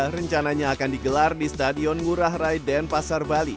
rencananya akan digelar di stadion ngurah rai denpasar bali